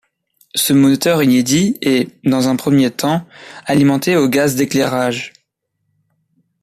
Ce moteur inédit est, dans un premier temps, alimenté au gaz d'éclairage.